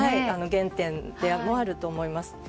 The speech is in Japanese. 原点でもあると思います。